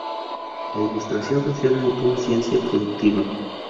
La Ilustración social mutó a ciencia productiva.